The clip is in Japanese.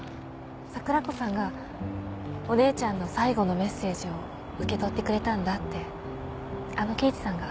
桜子さんがお姉ちゃんの最後のメッセージを受け取ってくれたんだってあの刑事さんが。